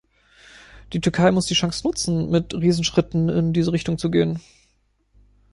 Die Türkei muss die Chance nutzen, mit Riesenschritten in diese Richtung zu gehen.